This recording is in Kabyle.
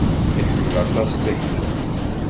Iḥemmel aṭas taklut.